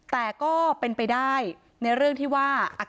พระเจ้าที่อยู่ในเมืองของพระเจ้า